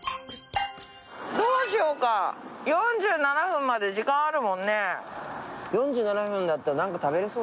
どうしようか４７分まで時間あるもんね。